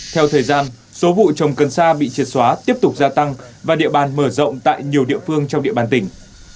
theo thời gian số vụ trồng cần sa bị triệt xóa tiếp tục gia tăng và địa bàn mở rộng tại nhiều địa phương trong địa bàn tỉnh